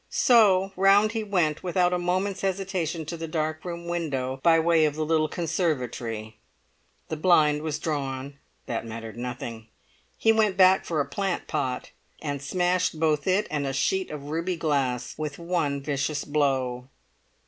So round he went without a moment's hesitation to the dark room window by way of the little conservatory. The blind was drawn. That mattered nothing. He went back for a plant pot, and smashed both it and a sheet of ruby glass with one vicious blow.